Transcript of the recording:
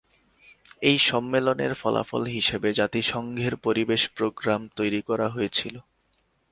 এই সম্মেলনের ফলাফল হিসাবে জাতিসংঘের পরিবেশ প্রোগ্রাম তৈরি করা হয়েছিল।